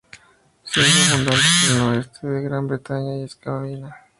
Siendo abundantes en el oeste de Gran Bretaña y Escandinavia.